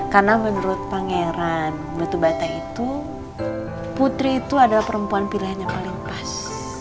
karena menurut pangeran batu bata itu putri itu adalah perempuan pilihan yang paling pas